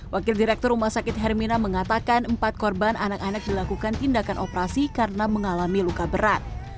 wakil direktur rumah sakit hermina mengatakan empat korban anak anak dilakukan tindakan operasi karena mengalami luka berat